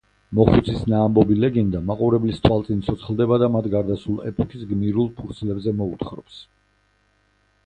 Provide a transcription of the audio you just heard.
მოხუცის ნაამბობი ლეგენდა მაყურებლის თვალწინ ცოცხლდება და მათ გარდასულ ეპოქის გმირულ ფურცლებზე მოუთხრობს.